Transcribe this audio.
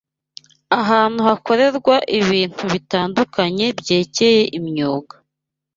ahantu hakorerwa ibintu bitandukanye byekeye imyuga